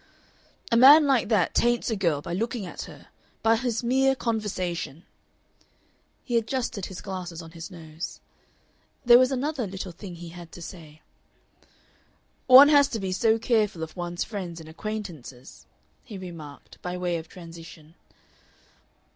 "A man like that taints a girl by looking at her, by his mere conversation." He adjusted his glasses on his nose. There was another little thing he had to say. "One has to be so careful of one's friends and acquaintances," he remarked, by way of transition.